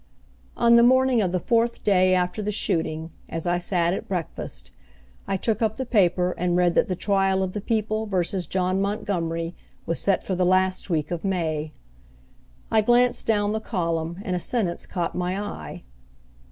On the morning of the fourth day after the shooting, as I sat at breakfast, I took up the paper and read that the trial of the People Versus John Montgomery was set for the last week of May. I glanced down the column and a sentence caught my eye.